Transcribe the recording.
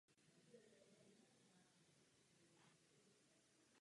Neumíme si představit závažnější porušení parlamentního mandátu.